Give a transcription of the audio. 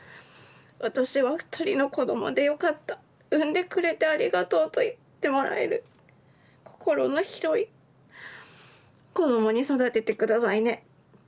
私は２人の子どもでよかった産んでくれてありがとうと言ってもらえる心の広い子どもに育ててくださいね。